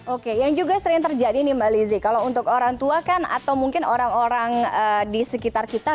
oke yang juga sering terjadi nih mbak lizzie kalau untuk orang tua kan atau mungkin orang orang di sekitar kita